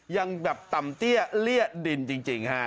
ยังแบบต่ำเตี้ยเลี่ยดินจริงฮะ